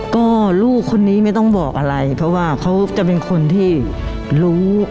ก็ลูกคนนี้ไม่ต้องบอกอะไรเพราะว่าเขาจะเป็นคนที่รู้